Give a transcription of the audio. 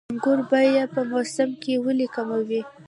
د انګورو بیه په موسم کې ولې کمه وي؟